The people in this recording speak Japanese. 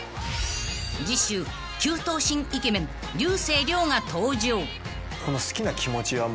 ［次週９頭身イケメン竜星涼が登場］